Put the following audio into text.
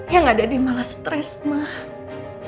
yang ada dia malah stress banget